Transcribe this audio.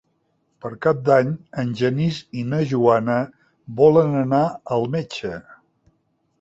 Per Cap d'Any en Genís i na Joana volen anar al metge.